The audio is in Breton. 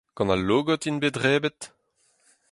Gant al logod int bet debret ?